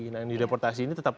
nah dideportasi ini tetap